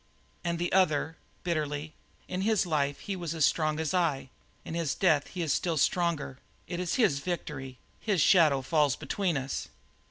And the other, bitterly: "In his life he was as strong as I; in his death he is still stronger. It is his victory; his shadow falls between us."